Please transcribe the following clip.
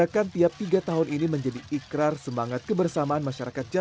ke lebih banyak penjuru